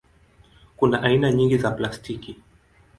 Kuna aina nyingi za plastiki.